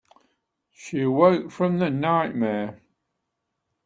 She awoke from the nightmare.